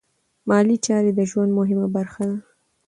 مالي چارې د ژوند مهمه برخه ده.